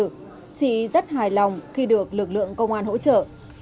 chị rất hài lòng khi được lực lượng công an hỗ trợ